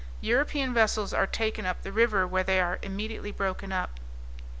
European vessels are taken up the river, where they are immediately broken up.